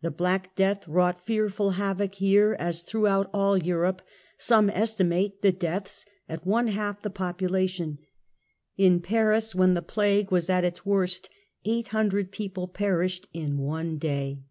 The Black Death wrought fearful havoc here as through out all Europe, some estimate the deaths at one half the population ; in Paris when the Plague was at its worst 800 people perished in one day.